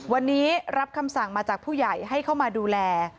วันนี้รับคำสั่งมาจากผู้ใหญ่ให้เข้ามาดูแล